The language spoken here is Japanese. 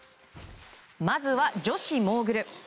まずは、女子モーグル。